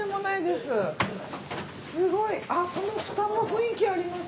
すごい！あっその蓋も雰囲気あります